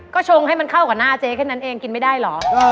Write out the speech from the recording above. ก็ชงให้มันเข้ากับหน้าเจ๊แค่นั้นเองกินไม่ได้เหรอ